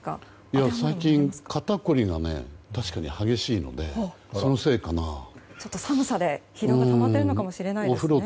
最近肩こりが確かに激しいのでちょっと、寒さで疲労がたまっているのかもしれないですね。